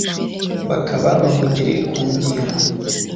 bakaba bamugereye ku ngingo